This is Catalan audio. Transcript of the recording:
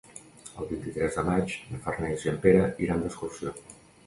El vint-i-tres de maig na Farners i en Pere iran d'excursió.